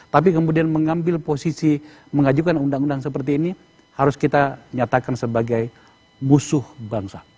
tapi kemudian mengambil posisi mengajukan undang undang seperti ini harus kita nyatakan sebagai musuh bangsa